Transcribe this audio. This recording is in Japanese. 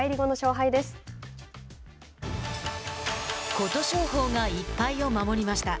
琴勝峰が１敗を守りました。